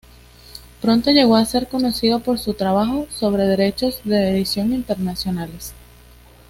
Pronto llegó a ser conocido por su trabajo sobre derechos de edición internacionales.